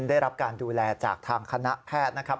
ได้รับการดูแลจากทางคณะแพทย์นะครับ